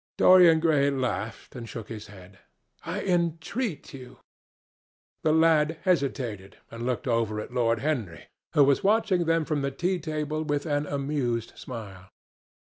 Dorian Gray laughed and shook his head. "I entreat you." The lad hesitated, and looked over at Lord Henry, who was watching them from the tea table with an amused smile.